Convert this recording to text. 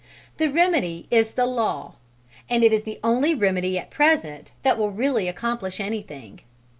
The remedy is the law, and it is the only remedy at present that will really accomplish anything.